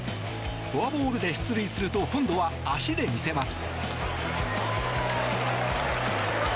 フォアボールで出塁すると今度は足で見せます。